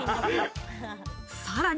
さらに。